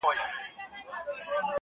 o له ښو څه ښه زېږي، له بدو څه واښه.